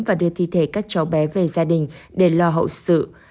và đưa thi thể các cháu bé về gia đình để lo hậu sự